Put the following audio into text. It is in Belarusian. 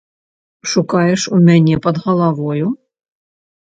Шукаеш у мяне пад галавою?